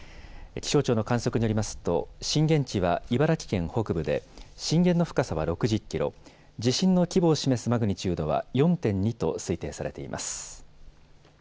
気象庁の観測によりますと、震源地は茨城県北部で、震源の深さは６０キロ、地震の規模を示すマグニチュードは４．２と推定されています。